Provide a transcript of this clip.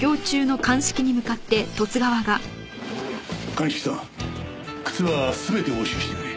鑑識さん靴は全て押収してくれ。